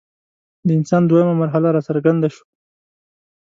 د انسان دویمه مرحله راڅرګنده شوه.